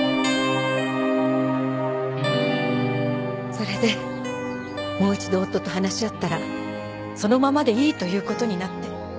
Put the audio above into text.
それでもう一度夫と話し合ったらそのままでいいということになって。